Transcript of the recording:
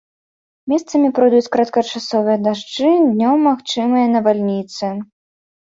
Месцамі пройдуць кароткачасовыя дажджы, днём магчымыя навальніцы.